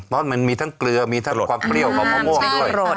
เพราะมันมีทั้งเกลือมีทั้งความเปรี้ยวของมะม่วงด้วย